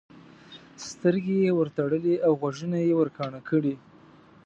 سترګې یې ورتړلې او غوږونه یې ورکاڼه کړي.